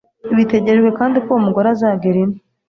Bitegerejwe kandi ko uwo umugore azagera ino